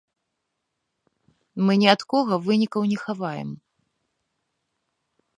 Мы ні ад кога вынікаў не хаваем.